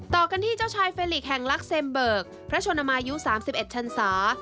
ต่อกันที่เจ้าชายเฟลิกแห่งลักษิมเบิกพระชนมายุ๓๑ชันศา